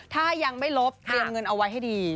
ถ้ายังไม่ลบเตรียมเงินเอาไว้ให้ดี